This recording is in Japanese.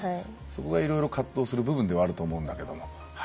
そこがいろいろ葛藤する部分ではあると思うんだけど。